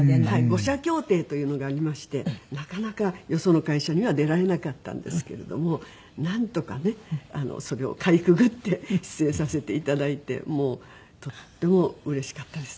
五社協定というのがありましてなかなかよその会社には出られなかったんですけれどもなんとかねそれをかいくぐって出演させていただいてもうとってもうれしかったです。